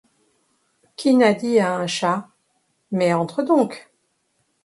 Qui n’a dit à un chat: Mais entre donc!